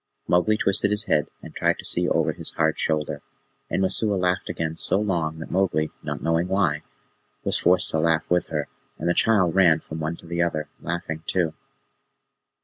Mowgli twisted his head and tried to see over his own hard shoulder, and Messua laughed again so long that Mowgli, not knowing why, was forced to laugh with her, and the child ran from one to the other, laughing too.